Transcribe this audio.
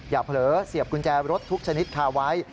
เผลอเสียบกุญแจรถทุกชนิดคาไว้